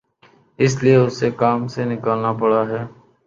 اس لیے اُسے کام سے نکالنا پڑا ہے